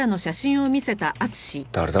誰だ？